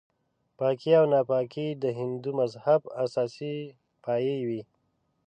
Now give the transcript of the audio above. پاکي او ناپاکي د هندو مذهب اساسي پایې وې.